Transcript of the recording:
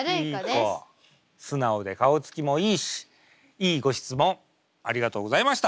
素直で顔つきもいいしいいご質問ありがとうございました。